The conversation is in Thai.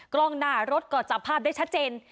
กล้องหน้ารถก็จับภาพได้ชัดเจน